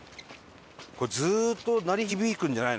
これずっと鳴り響くんじゃないの？